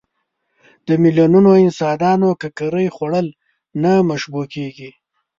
د میلیونونو انسانانو ککرې خوړل نه مشبوع کېږي.